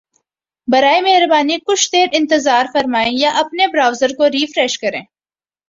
براہ مہربانی کچھ دیر انتظار فرمائیں یا اپنے براؤزر کو ریفریش کریں